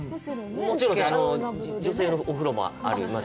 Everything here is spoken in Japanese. もちろん女性のお風呂もあります。